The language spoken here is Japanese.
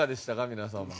皆さんは。